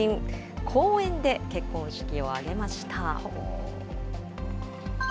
公園で結婚式を挙げました。